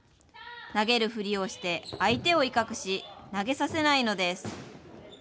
投げるふりをして、相手を威嚇し、投げさせないのです。